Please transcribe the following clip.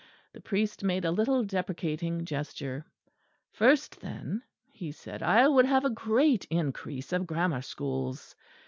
The priest made a little deprecating gesture. "First, then," he said, "I would have a great increase of grammar schools.